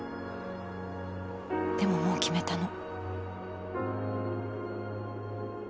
でももう決めたの。